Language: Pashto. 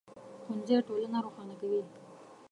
ښوونځی ټولنه روښانه کوي